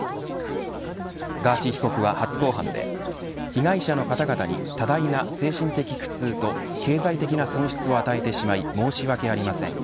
ガーシー被告は初公判で被害者の方々に多大な精神的苦痛と経済的な損失を与えてしまい申し訳ありません。